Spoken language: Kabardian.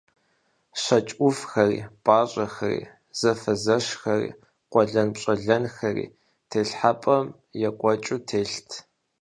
ЩэкӀ Ӏувхэри, пӀащӀэхэри, зэфэзэщхэри, къуэлэнпщӀэлэнхэри телхьэпӀэм екӀуэкӀыу телът.